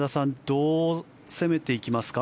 どう攻めていきますか？